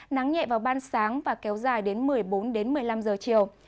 nắng nhẹ vào ban sáng và kéo dài đến một mươi bốn đến một mươi năm giờ chiều